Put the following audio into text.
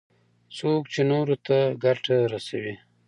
څوک چې نورو ته ګټه رسوي.